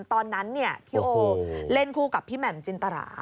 ตอนนั้นพี่โอเล่นคู่กับพี่แหม่มจินตรา